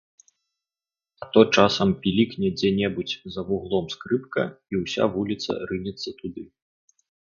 А то часам пілікне дзе-небудзь за вуглом скрыпка, і ўся вуліца рынецца туды.